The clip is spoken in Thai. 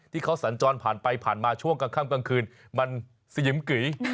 ที่เขาสัญจรผ่านไปผ่านมาช่วงกลางค่ำกลางคืนมันสยิมกุย